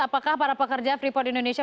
apakah para pekerja freeport indonesia